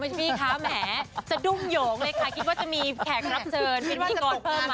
พี่คะแหมสะดุ้งโยงเลยค่ะคิดว่าจะมีแขกรับเชิญเป็นพิธีกรเพิ่มมา